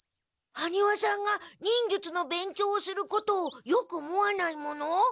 ハニワさんが忍術の勉強をすることをよく思わない者？